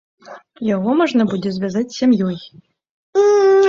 Яго можна будзе звязаць сям'ёй.